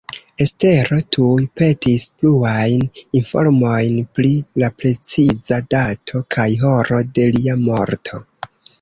Estero tuj petis pluajn informojn pri la preciza dato kaj horo de lia morto.